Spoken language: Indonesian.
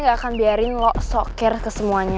gue gak akan biarin lo soker ke semuanya